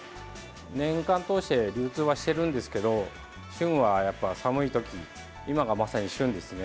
年間通して流通はしてるんですけど旬はやっぱ寒い時今がまさに旬ですね。